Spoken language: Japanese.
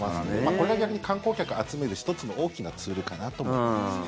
これが逆に観光客を集める１つの大きなツールかなと思いますね。